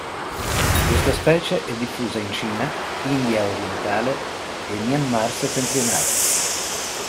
Questa specie è diffusa in Cina, India orientale e Myanmar settentrionale.